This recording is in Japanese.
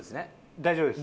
大丈夫です。